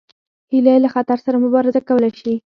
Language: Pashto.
هیلۍ له خطر سره مبارزه کولی شي